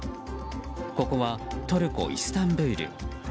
ここはトルコ・イスタンブール。